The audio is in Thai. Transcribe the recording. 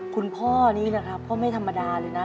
คุณพ่อนี้นะครับก็ไม่ธรรมดาเลยนะ